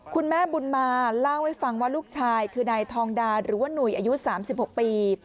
คุณแม่บุญมาเล่าให้ฟังว่าลูกชายคือนายทองดาหรือว่าหนุ่ยอายุ๓๖ปี